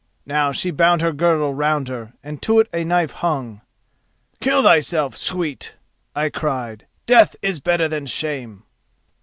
Now she bound her girdle round her and to it a knife hung. "'Kill thyself, sweet,' I cried: 'death is better than shame.